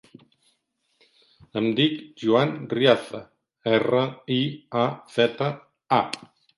Em dic Joan Riaza: erra, i, a, zeta, a.